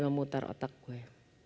memutar otak gue